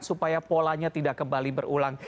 supaya polanya tidak kembali berulang